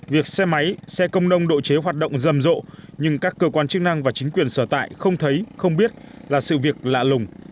việc xe máy xe công nông độ chế hoạt động rầm rộ nhưng các cơ quan chức năng và chính quyền sở tại không thấy không biết là sự việc lạ lùng